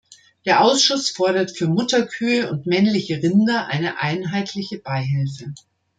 Der Ausschuss fordert für Mutterkühe und männliche Rinder eine einheitliche Beihilfe.